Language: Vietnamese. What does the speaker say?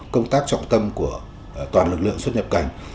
công tác trọng tâm của toàn lực lượng xuất nhập cảnh